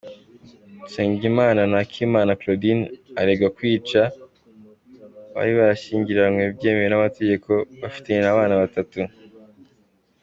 Nsengimana na Akimana Claudine, aregwa kwica, bari barashyingiranywe byemewe n’amategeko, bafitanye abana batatu.